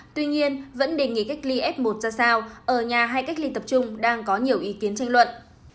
tuy nhiên vẫn đề nghị cách ly f một ra sao ở nhà hay cách ly tập trung đang có nhiều ý kiến tranh luận